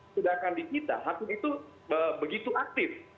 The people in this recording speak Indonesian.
sedangkan di kita hakim itu begitu aktif